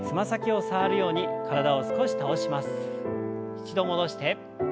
一度戻して。